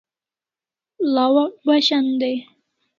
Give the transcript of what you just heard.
Lawak Bashan day